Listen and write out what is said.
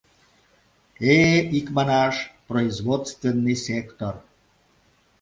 Э-э, икманаш, производственный сектор...